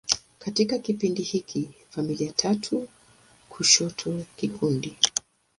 Katika kipindi hiki, familia tatu kushoto kikundi.